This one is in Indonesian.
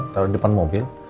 taruh di depan mobil